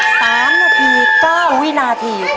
๓นาที๙วินาที